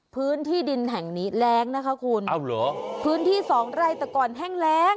พื้นที่ดินแห่งนี้แรงนะคะคุณเอาเหรอพื้นที่สองไร่แต่ก่อนแห้งแรง